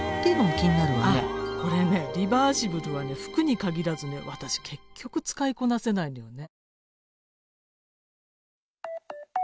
あっこれねリバーシブルはね服に限らずね私結局使いこなせないのよね。